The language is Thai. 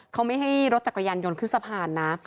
เขาไม่ให้รถจักรยานยนต์ขึ้นสะพานนะ